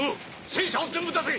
戦車を全部出せ！